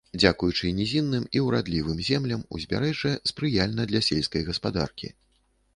Дзякуючы нізінным і урадлівым землям, узбярэжжа спрыяльна для сельскай гаспадаркі.